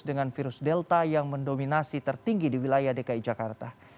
dengan virus delta yang mendominasi tertinggi di wilayah dki jakarta